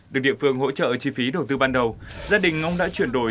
được địa phương hỗ trợ chi phí đầu tư ban đầu gia đình ông đã chuyển đổi